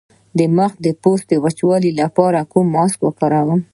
د مخ د پوستکي د وچوالي لپاره کوم ماسک وکاروم؟